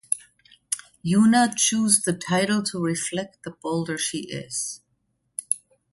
Yuna choose the title to reflect the bolder she is.